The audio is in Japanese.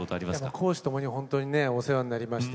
公私ともにお世話になりました。